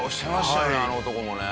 あの男もね。